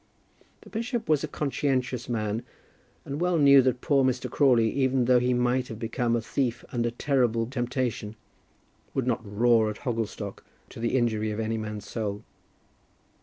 The bishop was a conscientious man, and well knew that poor Mr. Crawley, even though he might have become a thief under terrible temptation, would not roar at Hogglestock to the injury of any man's soul.